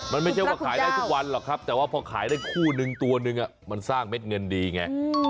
มันไม่ใช่ว่าขายได้ทุกวันหรอกครับแต่ว่าพอขายได้คู่นึงตัวนึงมันสร้างเม็ดเงินดีไง